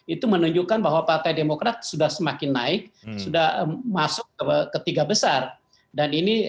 itu menunjukkan bahwa partai demokrat sudah semakin naik sudah masuk ketiga besar dan ini